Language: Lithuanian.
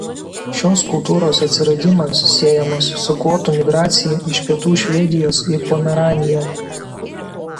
Šios kultūros atsiradimas siejamas su gotų migracija iš pietų Švedijos į Pomeraniją.